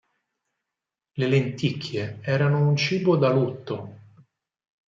Le lenticchie erano un cibo da lutto.